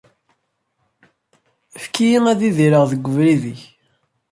Efk-iyi ad idireɣ deg ubrid-ik.